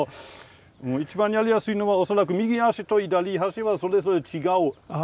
一番やりやすいのは恐らく右足と左足はそれぞれ違う列に入れるんですね。